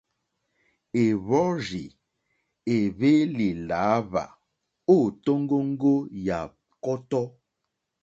Èwɔ́rzì èhwélì lǎhwà ô tóŋgóŋgó yà kɔ́tɔ́.